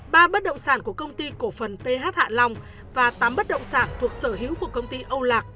ba bất động sản của công ty cổ phần th hạ long và tám bất động sản thuộc sở hữu của công ty âu lạc